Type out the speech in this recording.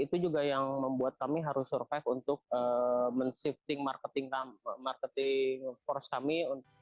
itu juga yang membuat kami harus survive untuk men shifting marketing force kami